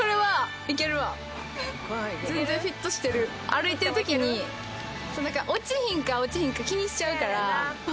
歩いてる時に落ちひんか落ちひんか気にしちゃうから。